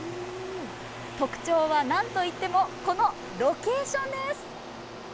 特徴はなんといっても、このロケーションです。